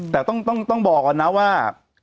แต่ต้องบอกก่อนนะว่า